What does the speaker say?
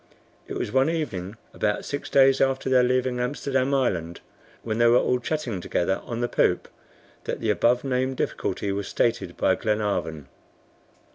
It was one evening, about six days after their leaving Amsterdam Island, when they were all chatting together on the poop, that the above named difficulty was stated by Glenarvan.